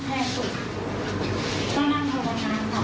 แค่ก็บอกว่าน้องถูกรู้ความที่เราชอบสำคัญ